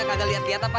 kagak liat dia tau gak